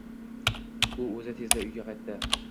U oʻzi tezda uyga qaytdi.